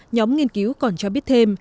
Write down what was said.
nhóm nghiên cứu còn cho biết thêm